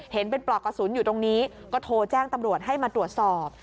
เห็นเป็นปลอกกระสุนอยู่ตรงนี้ก็โทรแจ้งตำรวจให้มาตรวจสอบ